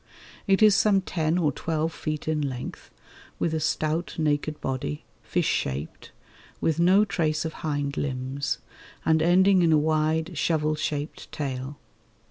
It is some ten or twelve feet in length with a stout naked body, fish shaped, with no trace of hind limbs, and ending in a wide shovel shaped tail.